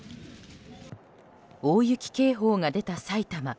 大雪警報が出た埼玉。